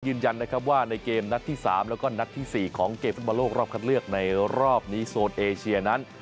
ยืนยันนะครับว่าในเกมนัดที่๓แล้วก็นัดที่๔ของเกมฟุตบอลโลกรอบคัดเลือกในรอบนี้โซนเอเชียนั้น